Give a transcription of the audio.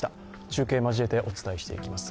中継交えてお伝えしていきます。